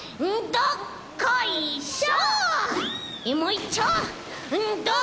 どっこいしょ！